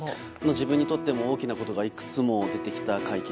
自分にとっても大きなことがいくつも起こった会見。